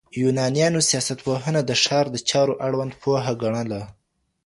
یونانیانو سیاستپوهنه د ښار د چارو اړوند پوهه ګڼله.